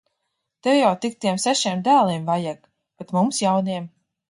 Tev jau tik tiem sešiem dēliem vajag! Bet mums jauniem.